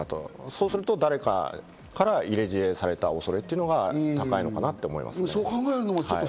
そうすると誰かに入れ知恵された恐れというのが高いのかなと思います。